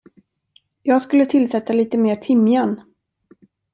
Jag skulle tillsätta lite mer timjan.